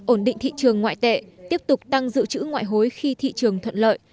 ổn định thị trường ngoại tệ tiếp tục tăng dự trữ ngoại hối khi thị trường thuận lợi